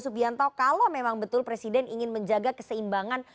subianto kalau memang betul presiden ingin menjaga keseimbangan